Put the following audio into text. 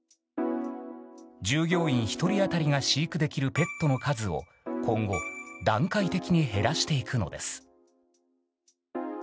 従業員１人当たりが飼育できるペットの数を今後、段階的に減らしていくのです。